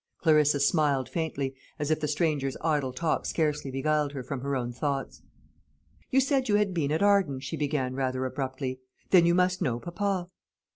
Clarissa smiled faintly, as if the stranger's idle talk scarcely beguiled her from her own thoughts. "You said you had been at Arden," she began rather abruptly; "then you must know papa."